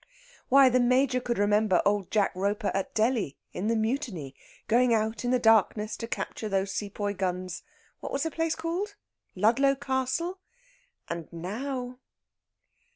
Why, the Major could remember old Jack Roper at Delhi, in the Mutiny, going out in the darkness to capture those Sepoy guns what was that place called Ludlow Castle? and now!...